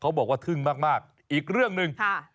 บอกว่าทึ่งมากอีกเรื่องหนึ่ง